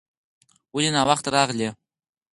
ولې ناوخته راغلې ؟